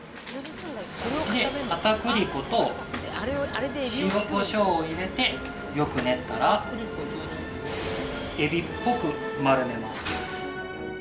で片栗粉と塩コショウを入れてよく練ったらエビっぽく丸めます。